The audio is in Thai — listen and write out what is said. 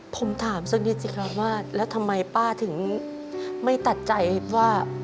ผมถามสักนิดสิครับว่าแล้วทำไมป้าถึงไม่ตัดใจว่า